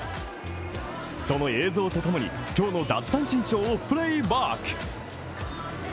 その映像と共に、今日の奪三振ショーをプレーバック。